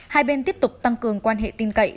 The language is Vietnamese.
hai bên tiếp tục tăng cường quan hệ tin cậy